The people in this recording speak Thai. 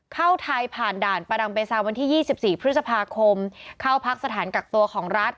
เข้าไทยผ่านด่านประดังเบซาวันที่๒๔พฤษภาคมเข้าพักสถานกักตัวของรัฐ